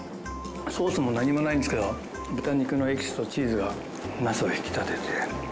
ソースも何もないんですけど豚肉のエキスとチーズがナスを引き立てて。